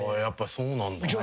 やっぱそうなんだ。